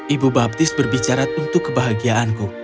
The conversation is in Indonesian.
ibu baptis berbicara untuk kebahagiaanku